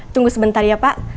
tunggu sebentar ya pak